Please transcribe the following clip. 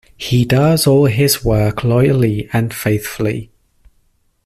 He does all his work loyally and faithfully.